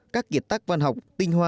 các kiệt tác văn học tinh hoa